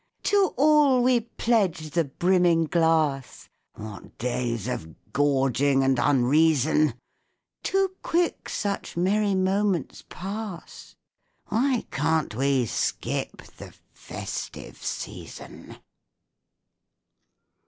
_) To all we pledge the brimming glass! (What days of gorging and unreason!) Too quick such merry moments pass (_Why can't we skip the "festive season"?